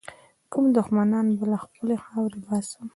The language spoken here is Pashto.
کوم دښمنان به له خپلي خاورې باسم.